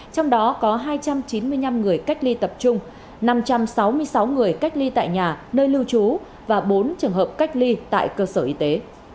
trong đó có hai trăm chín mươi năm người cách ly tập trung năm trăm sáu mươi sáu người cách ly tại nhà nơi lưu trú và bốn trường hợp cách ly tại cơ sở y tế